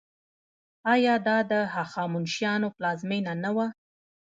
آیا دا د هخامنشیانو پلازمینه نه وه؟